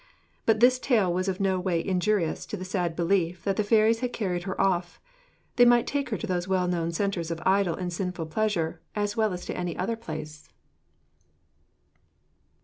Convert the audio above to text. but this tale was in no way injurious to the sad belief that the fairies had carried her off; they might take her to those well known centres of idle and sinful pleasure, as well as to any other place.